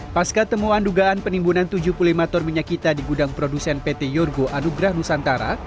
pas ketemuan dugaan penimbunan tujuh puluh lima ton minyak kita di gudang produsen pt yorgo anugrah nusantara